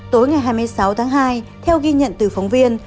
tối ngày hai mươi sáu tháng hai theo ghi nhận từ phóng viên